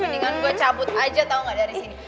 mendingan gue cabut aja tau gak dari sini